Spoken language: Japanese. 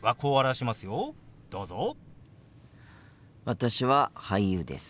私は俳優です。